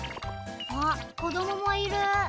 あっこどももいる。